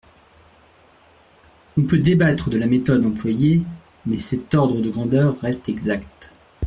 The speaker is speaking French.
On peut débattre de la méthode employée, mais cet ordre de grandeur reste exact.